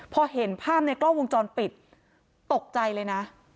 พอเห็นภาพในกล้องวงจรปิดตกใจเลยนะ